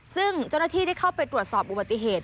ซึ่งเจ้าหน้าที่ได้เข้าไปตรวจสอบอุบัติเหตุ